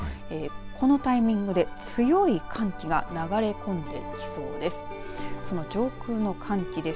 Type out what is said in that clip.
このタイミングで、強い寒気が流れ込んできそうです。